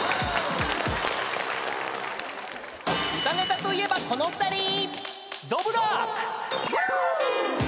［歌ネタといえばこの２人］